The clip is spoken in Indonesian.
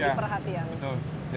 yang jadi perhatian